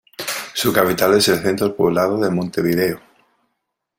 Su capital es el centro poblado de Montevideo.